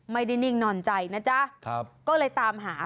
นิ่งนอนใจนะจ๊ะก็เลยตามหา